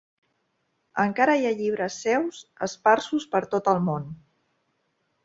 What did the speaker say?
Encara hi ha llibres seus esparsos per tot el món.